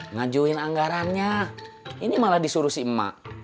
ngajuin anggarannya ini malah disuruh si emak